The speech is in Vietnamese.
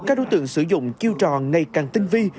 các đối tượng sử dụng chiều tròn này càng tinh vi